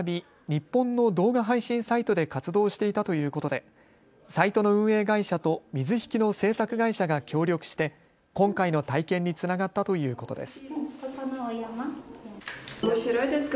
日本の動画配信サイトで活動していたということでサイトの運営会社と水引の制作会社が協力して今回の体験につながったということです。